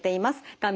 画面